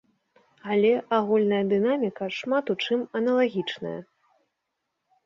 Але агульная дынаміка шмат у чым аналагічная.